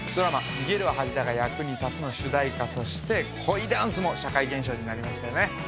「逃げるは恥だが役に立つ」の主題歌として恋ダンスも社会現象になりましたよね